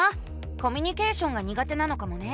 コミュニケーションが苦手なのかもね。